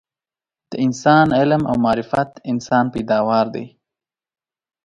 د انسان علم او معرفت انسان پیداوار دي